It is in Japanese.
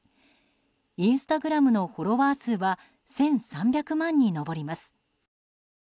インスタグラムのフォロワー数は１３００万に上ります。